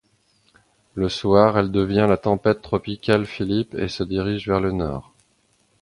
Le soir, elle devient la tempête tropicale Philippe et se dirige vers le nord.